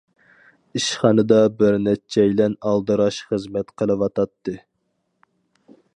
ئىشخانىدا بىر نەچچەيلەن ئالدىراش خىزمەت قىلىۋاتاتتى.